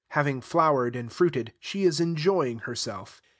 Having flowered and fruited, she is enjoying herself.